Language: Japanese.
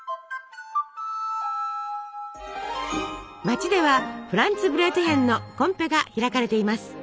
街ではフランツブレートヒェンのコンペが開かれています。